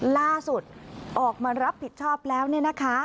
ล่าสุดออกมารับผิดชอบแล้วเนี่ยนะคะ